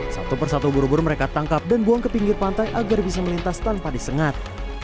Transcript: satu persatu ubur ubur mereka tangkap dan buang ke pinggir pantai agar bisa melintas tanpa disengat